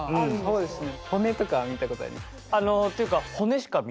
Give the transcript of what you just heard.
そうですよね。